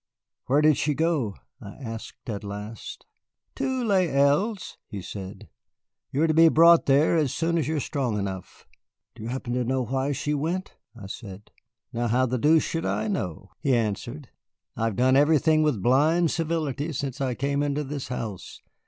"Where did she go?" I asked at last. "To Les Îles," he said. "You are to be brought there as soon as you are strong enough." "Do you happen to know why she went?" I said. "Now how the deuce should I know?" he answered. "I've done everything with blind servility since I came into this house.